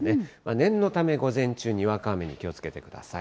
念のため、午前中、にわか雨に気をつけてください。